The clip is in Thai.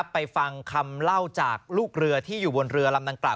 ไปฟังคำเล่าจากลูกเรือที่อยู่บนเรือลำดังกล่า